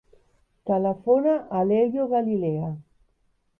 Telefona a l'Elio Galilea.